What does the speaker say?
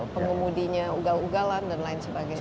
pengemudinya ugal ugalan dan lain sebagainya